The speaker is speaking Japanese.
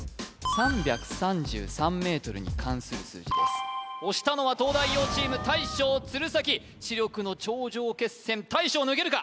３３３ｍに関する数字です押したのは東大王チーム大将・鶴崎知力の頂上決戦大将抜けるか？